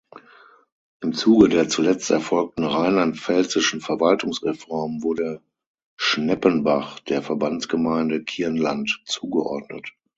Im Zuge der zuletzt erfolgten rheinland-pfälzischen Verwaltungsreform wurde Schneppenbach der Verbandsgemeinde Kirn-Land zugeordnet.